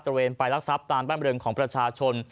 ตะเวนไปรักษัพตามบั้มรินของประชาชน